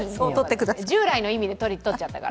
従来の意味でとっちゃったから。